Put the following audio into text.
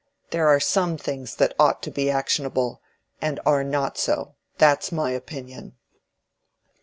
There are some things that ought to be actionable, and are not so— that's my opinion."